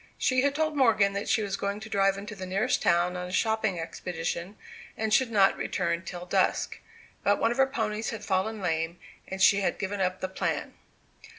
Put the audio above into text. She had told Morgan that she was going to drive into the nearest town on a shopping expedition, and should not return till dusk. But one of her ponies had fallen lame, and she had given up the plan.